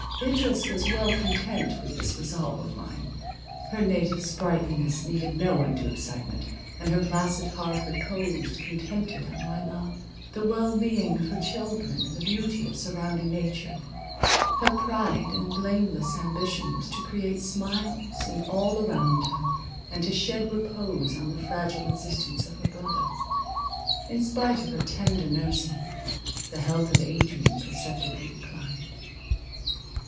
Idris was well content with this resolve of mine. Her native sprightliness needed no undue excitement, and her placid heart reposed contented on my love, the well being of her children, and the beauty of surrounding nature. Her pride and blameless ambition was to create smiles in all around her, and to shed repose on the fragile existence of her brother. In spite of her tender nursing, the health of Adrian perceptibly declined.